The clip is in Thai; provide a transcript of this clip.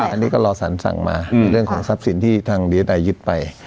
อันนี้ก็รอสารสั่งมาในเรื่องของทรัพย์สินที่ทางดีเอสไอยึดไป